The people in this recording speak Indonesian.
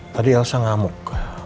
tadi elsa ngamuk